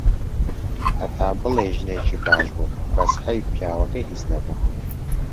هەتا بڵێی ژنێکی باش بوو، بەس حەیف پیاوەکەی هیچ نەبوو.